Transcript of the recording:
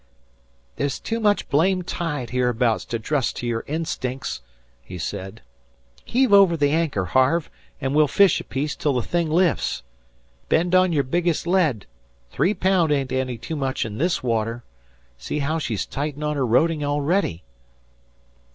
"There's too much blame tide hereabouts to trust to your instinks," he said. "Heave over the anchor, Harve, and we'll fish a piece till the thing lifts. Bend on your biggest lead. Three pound ain't any too much in this water. See how she's tightened on her rodin' already."